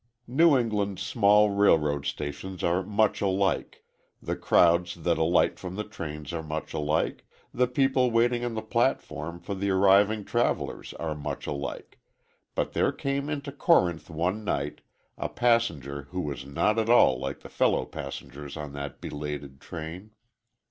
New England's small railroad stations are much alike, the crowds that alight from the trains are much alike, the people waiting on the platform for the arriving travelers are much alike, but there came into Corinth one night a passenger who was not at all like the fellow passengers on that belated train.